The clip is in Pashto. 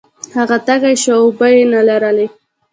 هغه تږی شو او اوبه یې نلرلې.